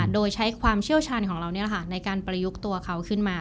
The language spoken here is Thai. โดยใช้ความเชี่ยวชาญของเราในการประยุกต์ตัวเขาขึ้นมา